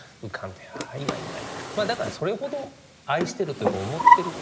だからそれほど愛してるというか思ってる。